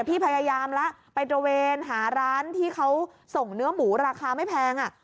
พี่พยายามแล้วไปตระเวนหาร้านที่เขาส่งเนื้อหมูราคาไม่แพง